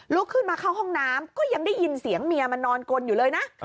ขึ้นมาเข้าห้องน้ำก็ยังได้ยินเสียงเมียมานอนกลอยู่เลยนะ